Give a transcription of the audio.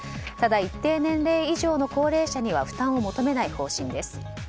ただ一定年齢以上の高齢者には負担を求めない方針です。